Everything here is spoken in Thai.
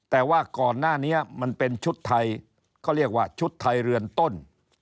แต่ว่าก่อนหน้านี้มันเป็นชุดไทยเขาเรียกว่าชุดไทยเรือนต้น